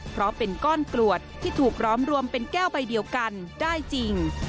เพราะเป็นก้อนกรวดที่ถูกล้อมรวมเป็นแก้วใบเดียวกันได้จริง